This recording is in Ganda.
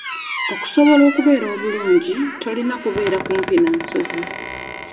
Okusobola okubeera obulungi, tolina kubeera kumpi na nsozi.